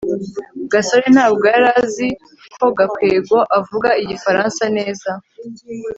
gasore ntabwo yari azi ko gakwego avuga igifaransa neza